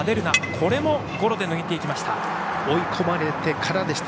これもゴロで抜いていきました。